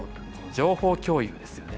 情報共有ですよね。